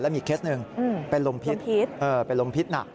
แล้วมีอีกเคสหนึ่งเป็นลมพิษหนัก